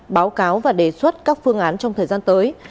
báo cáo và đề xuất các phương án trong thời gian tới